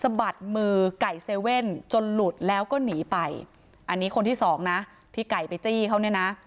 บัดมือไก่เซเว่นจนหลุดแล้วก็หนีไปอันนี้คนที่สองนะที่ไก่ไปจี้เขาเนี่ยนะ